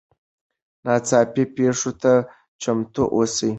ناڅاپي پیښو ته چمتو اوسئ.